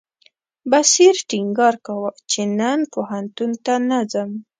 بصیر ټینګار کاوه چې نن پوهنتون ته نه ځم.